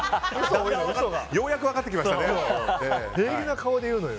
ようやく分かってきましたね。